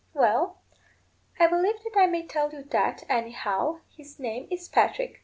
"Well, I believe that I may tell you that, anyhow; his name is Patrick.